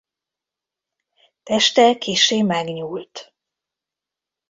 Teste kissé megnyúlt.